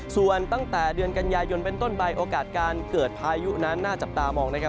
ส่วนตั้งแต่เดือนกันยายนเป็นต้นใบโอกาสการเกิดพายุนั้นน่าจับตามองนะครับ